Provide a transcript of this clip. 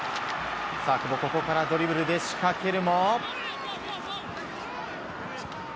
久保がドリブルで仕掛けるも。